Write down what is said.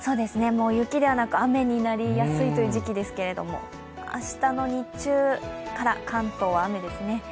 雪ではなく雨になりやすいという時期ですけれども、明日の日中から関東は雨ですね。